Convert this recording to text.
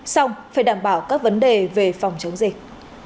xong phải đảm bảo các vấn đề về phòng chống dịch